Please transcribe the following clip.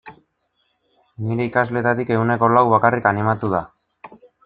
Nire ikasleetatik ehuneko lau bakarrik animatu da.